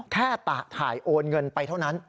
แค่ตะถ่ายโอนเงินไปเท่านั้น